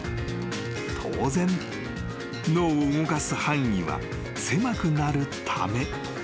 ［当然脳を動かす範囲は狭くなるため］